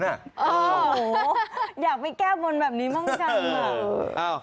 โอ้โฮอยากไปแก้บนแบบนี้บ้างกัน